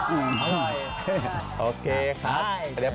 รอดนานเลยใช่ไหม